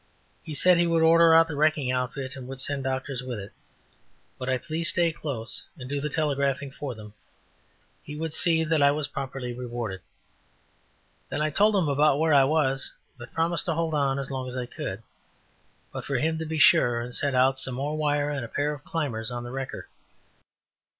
He said he would order out the wrecking outfit and would send doctors with it. Would I please stay close and do the telegraphing for them, he would see that I was properly rewarded. Then I told him about where I was, but promised to hold on as long as I could, but for him to be sure and send out some more wire and a pair of climbers on the wrecker.